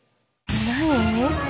何？